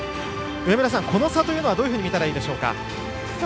この差というのはどういうふうに見たらいいでしょうか。